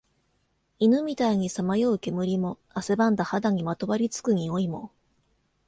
犬みたいにさまよう煙も、汗ばんだ肌にまとわり付く臭いも、